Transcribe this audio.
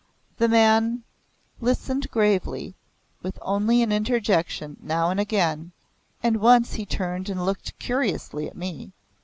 The man listened gravely, with only an interjection, now and again, and once he turned and looked curiously at me.